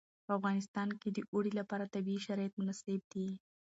په افغانستان کې د اوړي لپاره طبیعي شرایط مناسب دي.